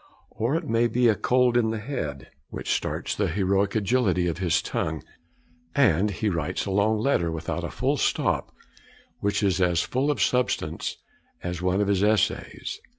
Or it may be a cold in the head which starts the heroic agility of his tongue, and he writes a long letter without a full stop, which is as full of substance as one of his essays.